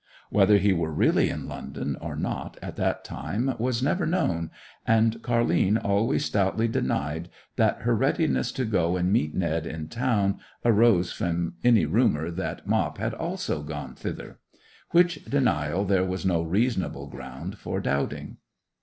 Whether he were really in London or not at that time was never known; and Car'line always stoutly denied that her readiness to go and meet Ned in town arose from any rumour that Mop had also gone thither; which denial there was no reasonable ground for doubting.